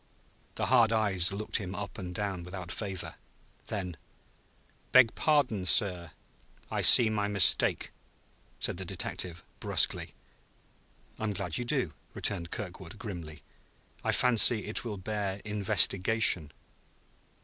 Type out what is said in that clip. The hard eyes looked him up and down without favor. Then: "Beg pardon, sir. I see my mistake," said the detective brusquely. "I am glad you do," returned Kirkwood grimly. "I fancy it will bear investigation."